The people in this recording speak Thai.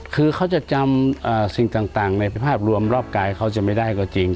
คือเขาจะจำสิ่งต่างในภาพรวมรอบกายเขาจะไม่ได้ก็จริง